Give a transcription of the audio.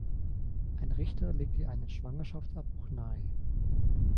Ein Richter legt ihr einen Schwangerschaftsabbruch nahe.